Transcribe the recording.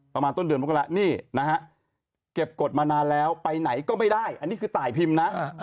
ประมาณต้นเดือนมกรานี่นะฮะเก็บกฎมานานแล้วไปไหนก็ไม่ได้อันนี้คือตายพิมพ์นะ